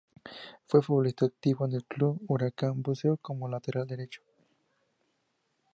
Fue futbolista activo en el club Huracán Buceo, como lateral derecho.